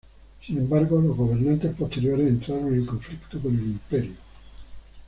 Sin embargo, los gobernantes posteriores entraron en conflicto con el Imperio.